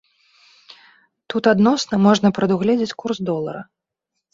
Тут адносна можна прадугледзець курс долара.